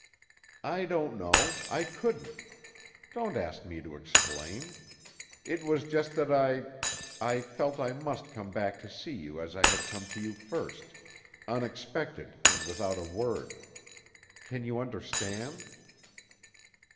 "I don't know. I couldn't. Don't ask me to explain. It was just that I—I felt I must come back to you as I had come to you first, unexpected and without a word. Can you understand?"